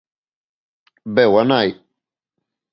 Veu a nai.